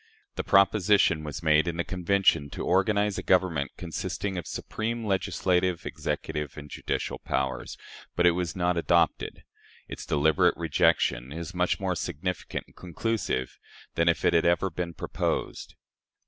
The proposition was made in the Convention to organize a government consisting of "supreme legislative, executive, and judicial powers," but it was not adopted. Its deliberate rejection is much more significant and conclusive than if it had never been proposed.